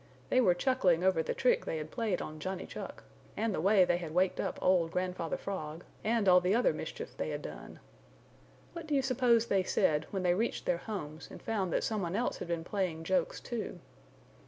They were chuckling over the trick they had played on Johnny Chuck, and the way they had waked up old Grandfather Frog, and all the other mischief they had done. What do you suppose they said when they reached their homes and found that someone else had been playing jokes, too?